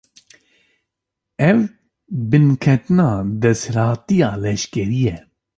Ev, binketina desthilatiya leşkerî ye